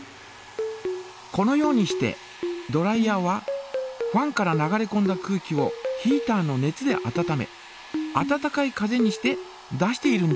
このようにしてドライヤーはファンから流れこんだ空気をヒータの熱で温め温かい風にして出しているんです。